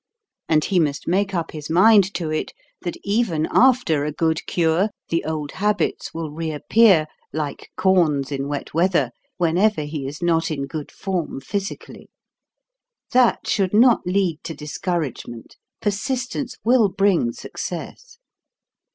And he must make up his mind to it, that even after a good cure, the old habits will reappear, like corns hi wet weather, whenever he is not in good form physically. That should not lead to discouragement; persistence will bring success.